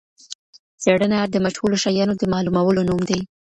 څېړنه د مجهولو شیانو د معلومولو نوم دی.